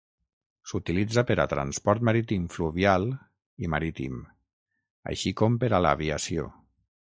S'utilitza per a transport marítim fluvial i marítim, així com per a l'aviació.